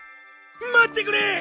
待ってくれ！